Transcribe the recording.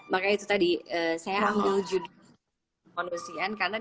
makanya itu tadi saya ambil judul kemanusiaan karena